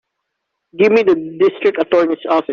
Give me the District Attorney's office.